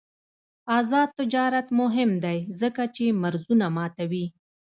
آزاد تجارت مهم دی ځکه چې مرزونه ماتوي.